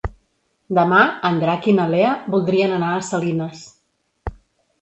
Demà en Drac i na Lea voldrien anar a Salines.